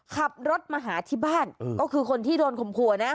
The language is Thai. ขับรถมาหาที่บ้านก็คือคนที่โดนข่มขัวนะ